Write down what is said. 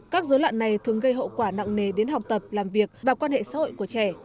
các dối loạn này thường gây hậu quả nặng nề đến học tập làm việc và quan hệ xã hội của trẻ